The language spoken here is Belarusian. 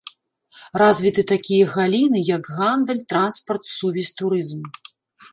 Развіты такія галіны, як гандаль, транспарт, сувязь, турызм.